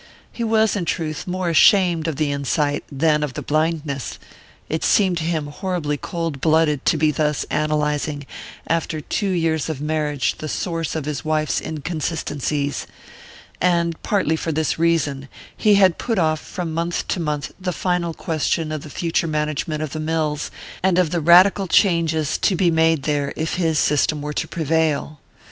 He was, in truth, more ashamed of the insight than of the blindness: it seemed to him horribly cold blooded to be thus analyzing, after two years of marriage, the source of his wife's inconsistencies. And, partly for this reason, he had put off from month to month the final question of the future management of the mills, and of the radical changes to be made there if his system were to prevail.